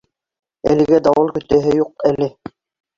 Әлегә дауыл көтәһе юҡ әле.